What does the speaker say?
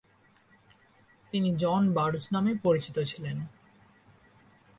তিনি John Burroughs নামে পরিচিত ছিলেন।